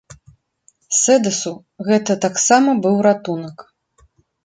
Сэдасу гэта таксама быў ратунак.